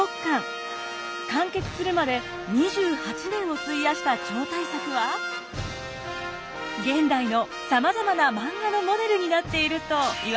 完結するまで２８年を費やした超大作は現代のさまざまな漫画のモデルになっているといわれています。